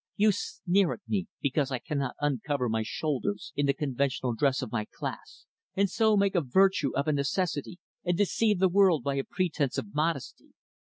You sneer at me because I cannot uncover my shoulders in the conventional dress of my class, and so make a virtue of a necessity and deceive the world by a pretense of modesty.